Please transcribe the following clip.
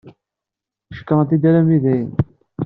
Cekṛen-tt-id akk armi d ayen.